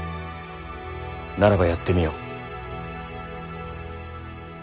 ならばやってみよ。